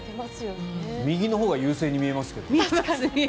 右のほうが優勢に見えますけど。